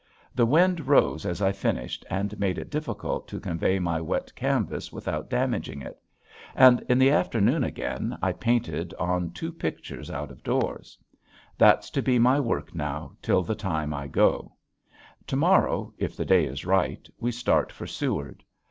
The wind rose as I finished and made it difficult to convey my wet canvas without damaging it. And in the afternoon again I painted on two pictures out of doors. That's to be my work now till the time I go. To morrow if the day is right we start for Seward.